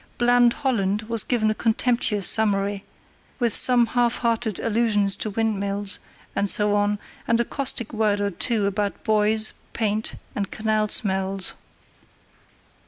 Inland Holland was given a contemptuous summary, with some half hearted allusions to windmills, and so on, and a caustic word or two about boys, paint, and canal smells.